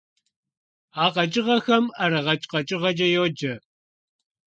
А къэкӀыгъэхэм ӀэрыгъэкӀ къэкӀыгъэкӀэ йоджэ.